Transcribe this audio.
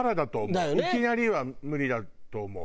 いきなりは無理だと思う。